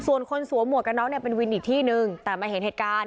ส่วนคนสวมหมวกกันน็อกเนี่ยเป็นวินอีกที่นึงแต่มาเห็นเหตุการณ์